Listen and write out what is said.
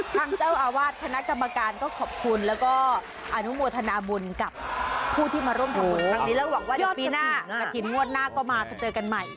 ทางเจ้าอาวาสคณะกรรมการก็ขอบคุณแล้วก็อนุโมทนาบุญกับผู้ที่มาร่วมทำบุญครั้งนี้แล้วหวังว่าเดี๋ยวปีหน้าจะกินงวดหน้าก็มาเจอกันใหม่